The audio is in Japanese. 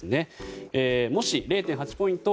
もし０．８ポイント